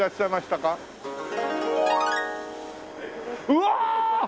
うわあっ！